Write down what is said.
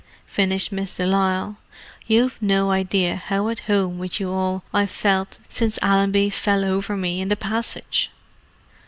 finished Miss de Lisle—"you've no idea how at home with you all I've felt since Allenby fell over me in the passage!"